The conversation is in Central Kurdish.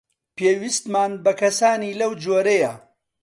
پێویستمان بە کەسانی لەو جۆرەیە.